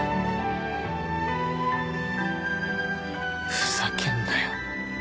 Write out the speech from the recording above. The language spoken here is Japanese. ふざけんなよ